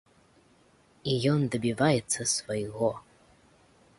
І ён дабіваецца свайго!